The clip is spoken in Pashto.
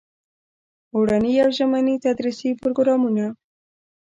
اوړني او ژمني تدریسي پروګرامونه.